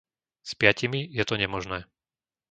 S piatimi je to nemožné.